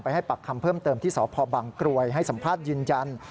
ไปให้ปักคำเพิ่มเติมที่สพกรวยให้สัมภาษณ์จริงจันทร์